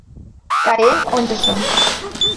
Каен ончышым...